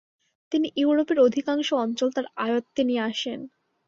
তিনি ইউরোপের অধিকাংশ অঞ্চল তার আয়ত্তে নিয়ে আসেন।